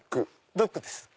ドッグです。